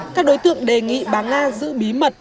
các đối tượng đề nghị bà nga giữ bí mật